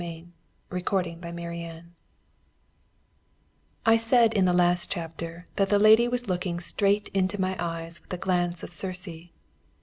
CHAPTER XIV THE DEMON'S BAIT I said in the last chapter that the lady was looking straight into my eyes with the glance of Circe.